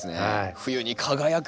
冬に輝く。